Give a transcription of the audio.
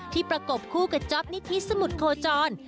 ที่ประกบคู่กับจ็อบนิทธิสมุดโคจร